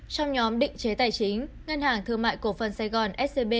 trong nhóm định chế tài chính ngân hàng thương mại cổ phần sài gòn scb